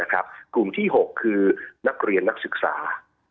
กลุ่มที่๖คือนักเรียนนักศึกษา